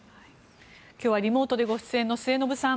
今日はリモートでご出演の末延さん。